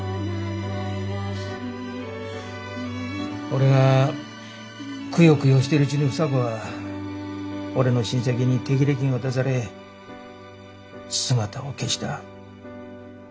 俺がくよくよしてるうちに房子は俺の親戚に手切れ金渡され姿を消した。